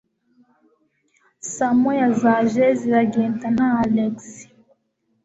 Saa moya zaje ziragenda nta Alex.